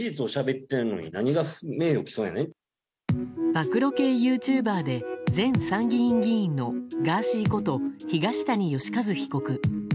暴露系ユーチューバーで前参議院議員のガーシーこと東谷義和被告。